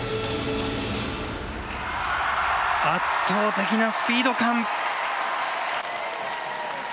圧倒的なスピード感！